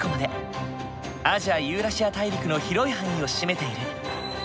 アジアユーラシア大陸の広い範囲を占めている。